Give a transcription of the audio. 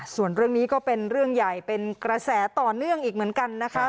ส่วนเรื่องนี้ก็เป็นเรื่องใหญ่เป็นกระแสต่อเนื่องอีกเหมือนกันนะคะ